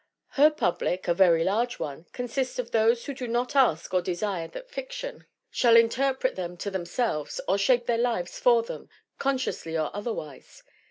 Her public a very large one consists of those who do not ask or desire that fiction shall interpret them to themselves or shape their lives for them, consciously or otherwise.